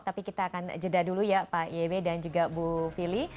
tapi kita akan jeda dulu ya pak yebe dan juga bu fili